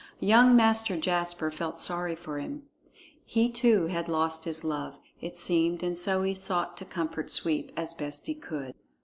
Young Master Jasper felt sorry for him. He too had lost his love, it seemed, and so he sought to comfort Sweep as best he could.